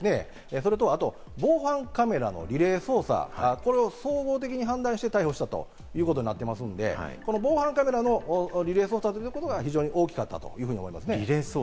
それと防犯カメラのリレー捜査、これを総合的に判断して逮捕したということになっていますので、防犯カメラのリレー捜査ということが大きかったと思います。